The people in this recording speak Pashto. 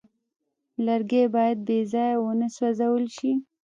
لرګی باید بېځایه ونه سوځول شي.